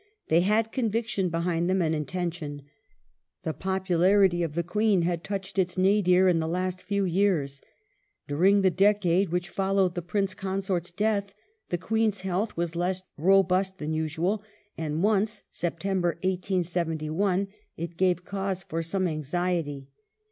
They had conviction behind them and intention. The popularity of the Queen had touched its nadir in the last few years. Dming the decade which followed the Prince Consort's death the Queen's health was less robust than usual, and once (Sept. 1871) it gave cause for some anxiety.